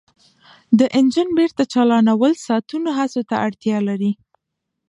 د انجن بیرته چالانول ساعتونو هڅو ته اړتیا لري